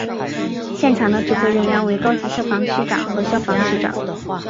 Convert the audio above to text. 现场的指挥人员为高级消防区长和消防区长。